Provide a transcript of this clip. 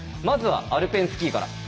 まずはアルペンスキーから。